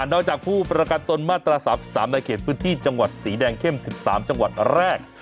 จากผู้ประกันตนมาตรา๓๓ในเขตพื้นที่จังหวัดสีแดงเข้ม๑๓จังหวัดแรก